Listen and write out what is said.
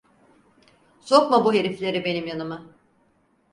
Sokma bu herifleri benim yanıma!